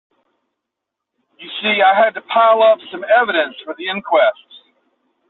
You see I had to pile up some evidence for the inquest.